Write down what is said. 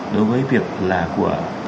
đối với việc là của